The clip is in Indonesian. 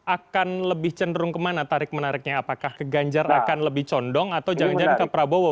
akan lebih cenderung kemana tarik menariknya apakah ke ganjar akan lebih condong atau jangan jangan ke prabowo